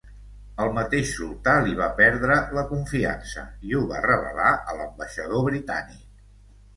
El mateix sultà li va perdre la confiança i ho va revelar a l'ambaixador britànic.